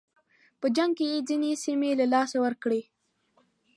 په جنګ کې یې ځینې سیمې له لاسه ورکړې.